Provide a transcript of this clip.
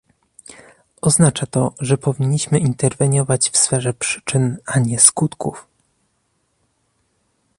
Oznacza to, że powinniśmy interweniować w sferze przyczyn, a nie skutków